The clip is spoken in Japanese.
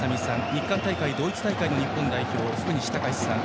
日韓大会ドイツ大会の日本代表福西崇史さん